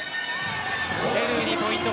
ペルーにポイント